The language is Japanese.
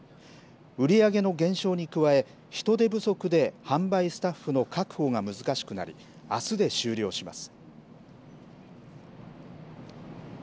売り上げの減少に加え、人手不足で販売スタッフの確保が難しくなり、あすで終了します。